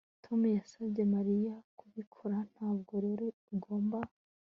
Tom yasabye Mariya kubikora ntabwo rero ugomba